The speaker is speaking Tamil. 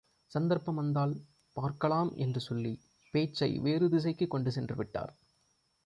சந்தர்ப்பம் வந்தால் பார்க்கலாம் என்று சொல்லிப் பேச்சை வேறு திசைக்குக் கொண்டு சென்று விட்டார்.